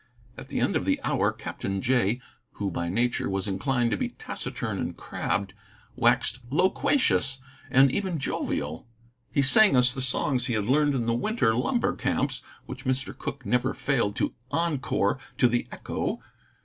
At the end of the hour Captain Jay, who by nature was inclined to be taciturn and crabbed, waxed loquacious and even jovial. He sang us the songs he had learned in the winter lumber camps, which Mr. Cooke never failed to encore to the echo.